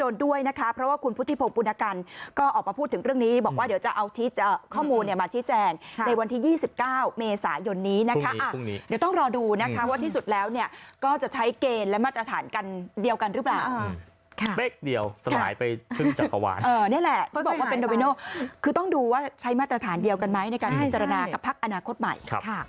หย่อนนี้นะคะเดี๋ยวต้องรอดูนะคะว่าที่สุดแล้วเนี่ยก็จะใช้เกณฑ์และมาตรฐานกันเดียวกันหรือเปล่าเป๊กเดียวสลายไปถึงจักรวาลนี่แหละก็บอกว่าเป็นโดมิโนคือต้องดูว่าใช้มาตรฐานเดียวกันไหมในการหัวจรรยากับภักดิ์อนาคตใหม่